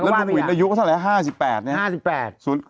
แล้วลุงวิศอายุก็จะแหละ๕๘เนี่ย